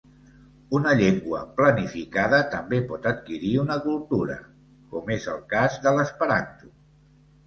Una llengua planificada també pot adquirir una cultura, com és el cas de l'esperanto.